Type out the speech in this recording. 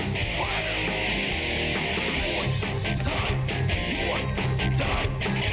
สวัสดีครับ